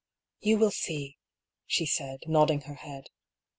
" You will see," she said, nodding her head.